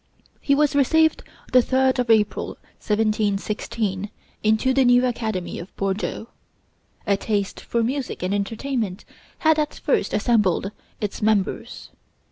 He was received the 3d of April, 1716, into the new academy of Bordeaux. A taste for music and entertainment had at first assembled its members.